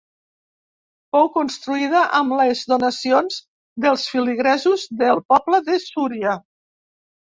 Fou construïda amb les donacions dels feligresos del poble de Súria.